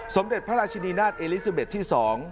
สมเด็จพระราชินีนาฏเอลิซิเบสที่๒